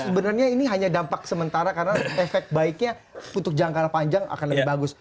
sebenarnya ini hanya dampak sementara karena efek baiknya untuk jangka panjang akan lebih bagus